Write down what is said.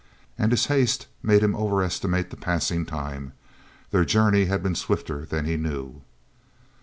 And his haste made him overestimate the passing time; their journey had been swifter than he knew.